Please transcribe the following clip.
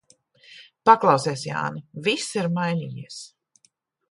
Paklausies, Jāni, viss ir mainījies.